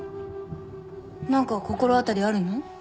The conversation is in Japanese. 何か心当たりあるの？